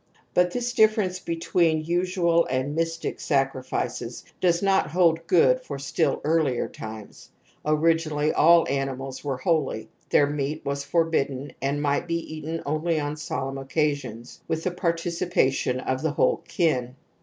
But this difference between usual and * mystic ' sacrifices does not hold good for stiU earlier times. Originally all animals were holy, their meat was forbidden and might be eaten only on solemn occasions, with the participation of the whole kin.